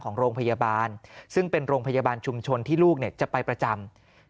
ของโรงพยาบาลซึ่งเป็นโรงพยาบาลชุมชนที่ลูกจะไปประจำ